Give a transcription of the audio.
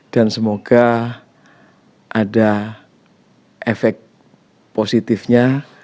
dan semoga ada efek positifnya